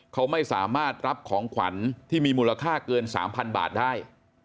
เขาไม่สามารถรับของขวัญที่มีมูลค่าเกิน๓๐๐๐บาทได้